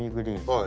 はい。